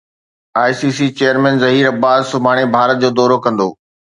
I C C chairman Zaheer Abbas سڀاڻي ڀارت جو دورو ڪندو